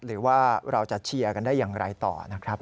หรือว่าเราจะเชียร์กันได้อย่างไรต่อนะครับ